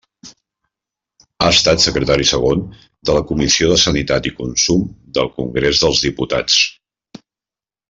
Ha estat secretari segon de la Comissió de Sanitat i Consum del Congrés dels Diputats.